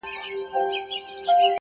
د تجربې درس اوږد اغېز لري.!